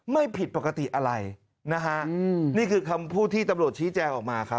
ไม่ผิดปกติอะไรนะฮะนี่คือคำพูดที่ตำรวจชี้แจงออกมาครับ